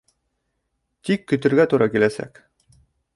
Тик, көтөргә тура киләсәк.